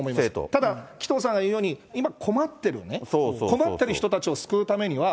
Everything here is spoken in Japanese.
ただ、紀藤さんが言うように、今、困ってるね、困ってる人たちを救うためには、